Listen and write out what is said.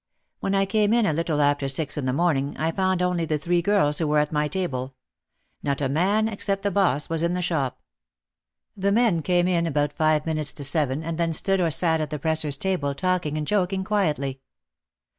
When I came in a little after six in the morning, I found only the three girls who were at my table. Not a man except the boss was in the shop. The men came in about five minutes to seven and then stood or sat at the presser's table talking and joking quietly.